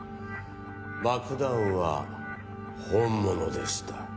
爆弾は本物でした。